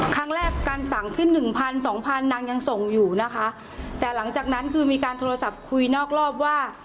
ครั้งแรกการสั่งขึ้นหนึ่งพันสองพันนางยังส่งอยู่นะคะแต่หลังจากนั้นคือมีการโทรศัพท์คุยนอกรอบว่า